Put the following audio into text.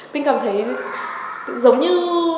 mình cảm thấy giống như